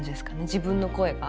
自分の声が。